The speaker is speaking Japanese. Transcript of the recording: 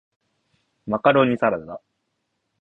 マカロニサラダ